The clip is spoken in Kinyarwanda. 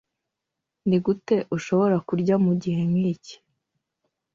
Nigute ushobora kurya mugihe nkiki?